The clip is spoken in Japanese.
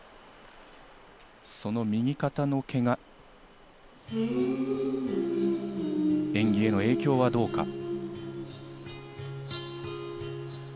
その右肩のけが、演技への影響はどうか。